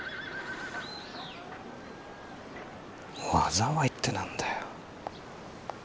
「災い」って何だよ。